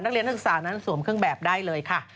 นักเรียนนักศึกษานั้นสวมเครื่องแบบได้เลยค่ะ